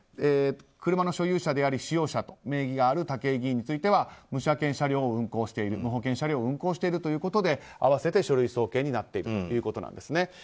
車の所有者であり使用者と名義がある武井議員については無車検車両を運行している無保険車両を運行しているということで併せて書類送検になっているんですね。